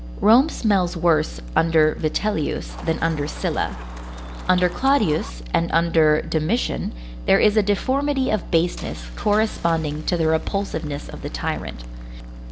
Rome smells worse under Vitellius than under Sylla. Under Claudius and under Domitian, there is a deformity of baseness corresponding to the repulsiveness of the tyrant.